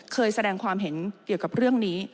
เคยแสดงความเข็นเรื่องนี้